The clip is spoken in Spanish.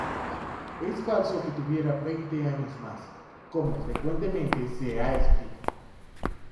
Es falso que tuviera veinte años más, como frecuentemente se ha escrito.